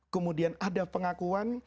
kemudian ada pengakuan